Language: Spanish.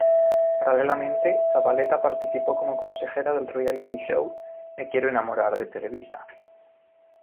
Paralelamente, Zabaleta participó como consejera del reality show "Me quiero enamorar", de Televisa.